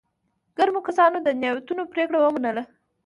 ګرمو کسانو د نياوتون پرېکړه ومنله.